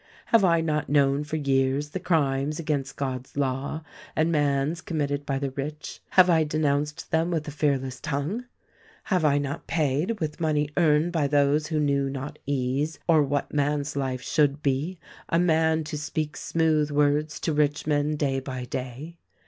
"Have I not known for years the crimes against God's law and Man's committed by the rich? "Have I denounced them with a fearless tongue? "Have I not paid, with money earned by those who knew not ease or what man's life should be, a man to speak smooth words to rich men day by day